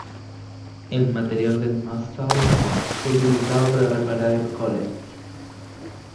El material del Mansfield fue utilizado para reparar el Collett.